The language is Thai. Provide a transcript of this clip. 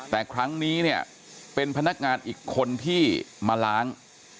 แต่ครั้งนี้เนี่ยเป็นพนักงานอีกคนที่มาล้าง